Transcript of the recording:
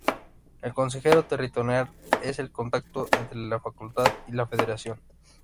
El consejero territorial es el contacto entre la Facultad y la Federación.